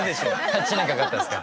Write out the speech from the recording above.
８年かかったんですか。